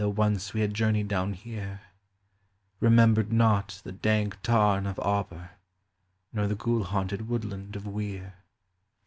once we had journeyed down here), Remembered not the dank tarn of Auber Nor the ghoul haunted woodland of Weir.